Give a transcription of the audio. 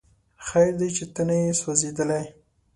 خیر دی چې ته نه یې سوځېدلی